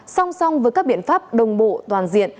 song song với các biện pháp đồng bộ toàn diện